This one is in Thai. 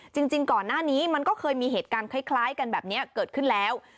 จริงก่อนหน้านี้มันก็เคยมีเหตุการณ์คล้ายกันแบบนี้เกิดขึ้นแล้ว